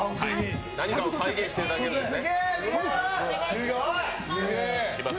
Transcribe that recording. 何かを再現してるだけですね。